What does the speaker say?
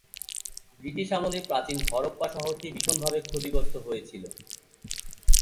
British আমলে প্রাচীন হরপ্পা শহরটি ভীষণভাবে ক্ষতিগ্রস্ত হয়েছিল।